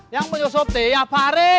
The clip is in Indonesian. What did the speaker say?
yang menyusupi ya fare